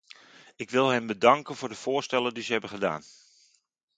Ik wil hen bedanken voor de voorstellen die ze hebben gedaan.